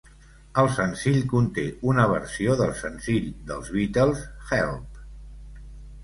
El senzill conté una versió del senzill dels Beatles, "Help!"